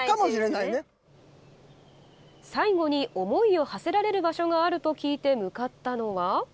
最後に思いをはせられる場所があると聞いて、向かったのは。